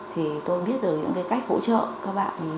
thì tôi biết được những cách hỗ trợ các bạn ý